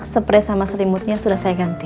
spray sama selimutnya sudah saya ganti